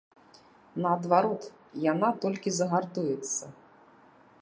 Наадварот, яна толькі загартуецца.